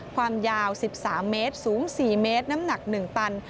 ความยาว๑๓เมตรสูง๔เมตรน้ำหนัก๑ตัน